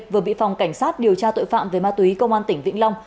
vừa bị phòng cảnh sát điều tra tội phạm về ma túy công an tỉnh vĩnh long